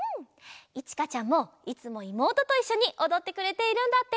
いちかちゃんもいつもいもうとといっしょにおどってくれているんだって。